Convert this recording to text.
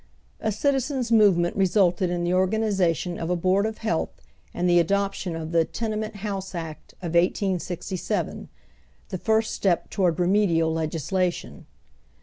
A citizens' movement resulted in the organization of a Boai d of Health and the adoption of the '■ Tenement House Act " of 18fl7, the first step toward remedial legislation.